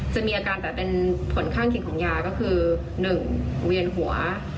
จะมีอาการแต่เป็นผลข้างเคียงของยาก็คือ๑เวียนหัว